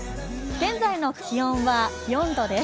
現在の気温は４度です。